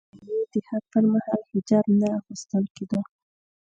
د شوروي اتحاد پر مهال حجاب نه اغوستل کېده